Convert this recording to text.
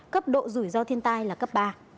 cấp độ rủi ro thiên tai là cấp ba